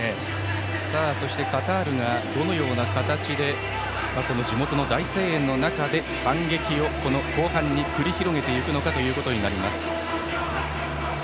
そしてカタールはどのような形でこの地元の大声援の中で反撃を後半に繰り広げていくのかということになります。